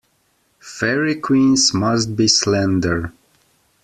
Fairy queens must be slender.